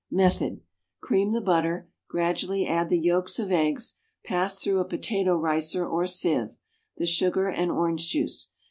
Method. Cream the butter, gradually add the yolks of eggs, passed through a potato ricer or sieve, the sugar and orange juice.